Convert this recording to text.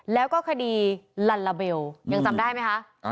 แล้วก็คดีลัลลาเบลยังจำได้ไหมคะ